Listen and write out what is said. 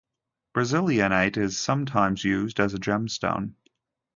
Brazilianite is sometimes used as a gemstone.